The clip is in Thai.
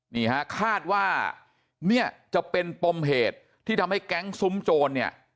นี่ฮะคาดว่าเนี่ยจะเป็นปมเหตุที่ทำให้แก๊งซุ้มโจรเนี่ย